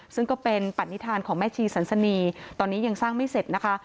ซึ่งก็เป็นปัตนิษฐานของแม่ชีสันสนีตอนนี้ยังสร้างไม่เสร็จนะคะ